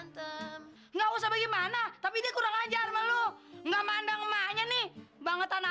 nggak usah bagaimana tapi dia kurang ajar melu nggak mandang emaknya nih banget tanah